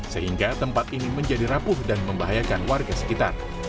sehingga tempat ini menjadi rapuh dan membahayakan warga sekitar